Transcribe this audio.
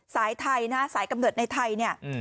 สายไทยสายกำเนิดในไทย